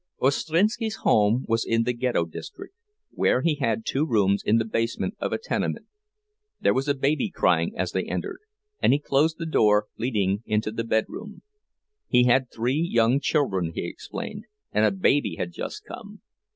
Ostrinski's home was in the Ghetto district, where he had two rooms in the basement of a tenement. There was a baby crying as they entered, and he closed the door leading into the bedroom. He had three young children, he explained, and a baby had just come.